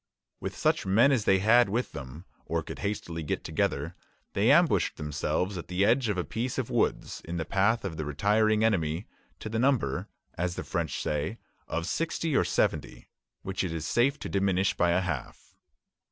With such men as they had with them, or could hastily get together, they ambushed themselves at the edge of a piece of woods, in the path of the retiring enemy, to the number, as the French say, of sixty or seventy, which it is safe to diminish by a half.